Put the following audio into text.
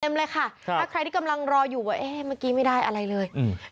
เลยค่ะครับถ้าใครที่กำลังรออยู่ว่าเอ๊ะเมื่อกี้ไม่ได้อะไรเลยอืม